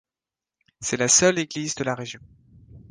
C'est la seule église de la région.